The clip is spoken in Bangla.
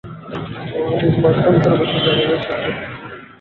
নির্মাণ শ্রমিকেরা অবশ্য জানালেন, এসব সেটে দু-এক দিনের মধ্যে কাজ শুরু হবে।